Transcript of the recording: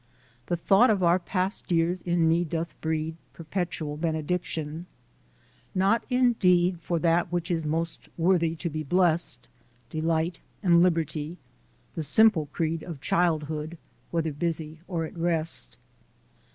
The thought of our past years in me doth breed Perpetual benediction: not indeed For that which is most worthy to be blest, Delight and liberty, the simple creed Of Childhood, whether busy or at rest.